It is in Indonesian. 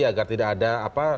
agar tidak ada apa